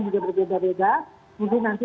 juga berbeda beda mungkin nanti